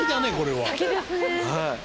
はい。